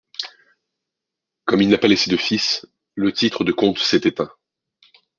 Comme il n'a pas laissé de fils, le titre de comte s'est éteint.